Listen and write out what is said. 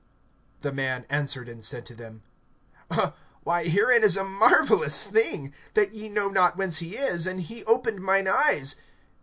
(30)The man answered and said to them: Why herein is a marvelous thing, that ye know not whence he is, and he opened mine eyes.